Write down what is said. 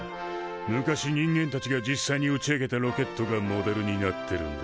昔人間たちが実際に打ち上げたロケットがモデルになってるんだ。